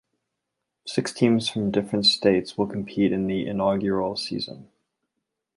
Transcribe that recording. Six teams from different states will compete in the inaugural season.